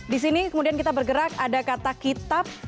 di sini kemudian kita bergerak ada kata kitab